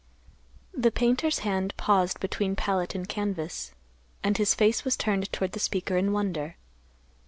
The painter's hand paused between palette and canvas, and his face was turned toward the speaker in wonder.